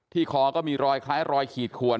คอก็มีรอยคล้ายรอยขีดขวด